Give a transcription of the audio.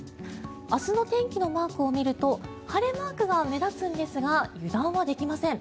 明日の天気のマークを見ると晴れマークが目立つんですが油断はできません。